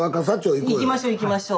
行きましょう行きましょう。